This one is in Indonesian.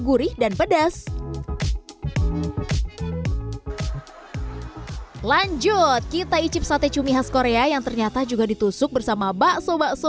gurih dan pedas lanjut kita icip sate cumi khas korea yang ternyata juga ditusuk bersama bakso bakso